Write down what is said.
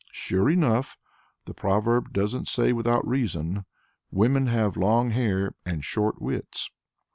Sure enough the proverb doesn't say without reason: "Women have long hair and short wits."